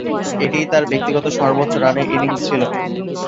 এটিই তার ব্যক্তিগত সর্বোচ্চ রানের ইনিংস ছিল।